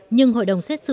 nhưng hội đồng xét xử